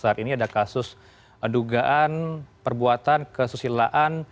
saat ini ada kasus dugaan perbuatan kesusilaan